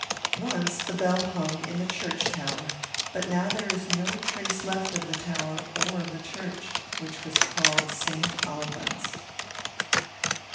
Once the Bell hung in the church tower; but now there is no trace left of the tower or of the church, which was called St. Alban's.